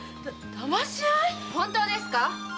本当ですか？